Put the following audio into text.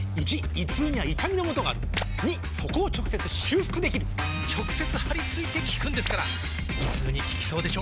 ①胃痛には痛みのもとがある②そこを直接修復できる直接貼り付いて効くんですから胃痛に効きそうでしょ？